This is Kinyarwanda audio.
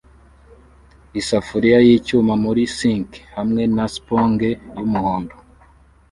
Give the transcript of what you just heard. isafuriya yicyuma muri sink hamwe na sponge yumuhondo